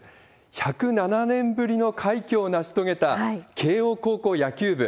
１０７年ぶりの快挙を成し遂げた慶応高校野球部。